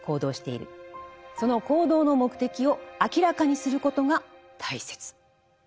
その行動の目的を明らかにすることが大切。